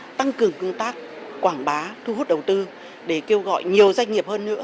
để tăng cường cương tác quảng bá thu hút đầu tư để kêu gọi nhiều doanh nghiệp hơn nữa